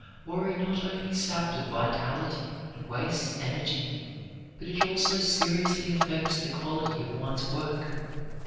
Worry not only saps vitality and wastes energy, but it also seriously affects the quality of one's work.